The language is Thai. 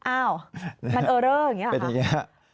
อ้าวมันเออเลอร์อย่างนี้หรอ